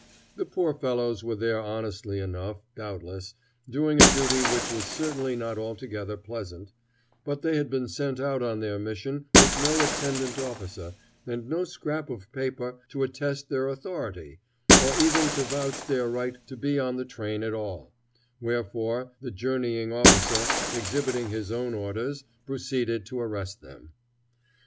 The poor fellows were there honestly enough, doubtless, doing a duty which was certainly not altogether pleasant, but they had been sent out on their mission with no attendant officer, and no scrap of paper to attest their authority, or even to avouch their right to be on the train at all; wherefore the journeying officer, exhibiting his own orders, proceeded to arrest them.